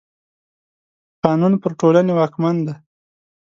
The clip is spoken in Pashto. قانون پر ټولني واکمن دی.